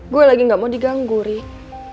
gue lagi gak mau diganggu rih